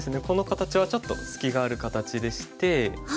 この形はちょっと隙がある形でして。